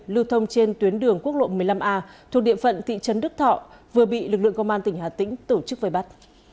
lưu thông trên tuyến đường quốc lộ một mươi năm a thuộc địa phận thị trấn đức thọ vừa bị lực lượng công an tỉnh hà tĩnh tổ chức vây bắt